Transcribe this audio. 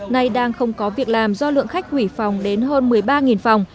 nay đang không có việc làm do lượng khách hủy phòng đến hơn một mươi ba phòng